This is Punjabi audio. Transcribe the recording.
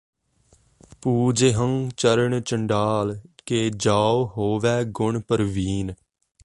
ਪੂਜਹਿੰ ਚਰਨ ਚੰਡਾਲ ਕੇ ਜਉ ਹੋਵੇ ਗੁਨ ਪਰਵੀਨ